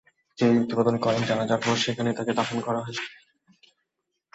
তিনি মৃত্যুবরণ করেন, জানাজার পর সেখানেই তাকে দাফন করা হয়।